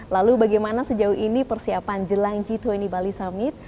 lalu bagaimana sejauh ini persiapan jelang g dua puluh bali summit